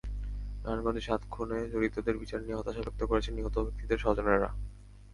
নারায়ণগঞ্জে সাত খুনে জড়িতদের বিচার নিয়ে হতাশা ব্যক্ত করেছেন নিহত ব্যক্তিদের স্বজনেরা।